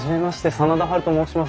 真田ハルと申します。